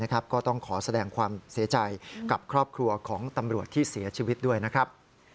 ก็ต้องขอแสดงความเสียใจกับครอบครัวของตำรวจที่เสียชีวิตด้วยนะครับ